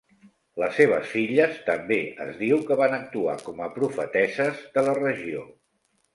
Les seves filles també es diu que van actuar com a profetesses de la regió.